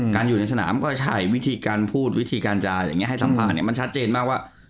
การอยู่ในสนามก็ใช่วิธีการพูดวิธีการจะให้ซ้ำผ่านมันชัดเจนมากว่า